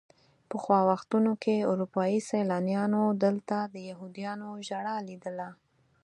پخوا وختونو کې اروپایي سیلانیانو دلته د یهودیانو ژړا لیدله.